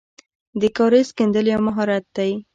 د کاریز کیندل یو مهارت دی.